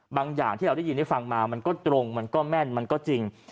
อย่างที่เราได้ยินได้ฟังมามันก็ตรงมันก็แม่นมันก็จริง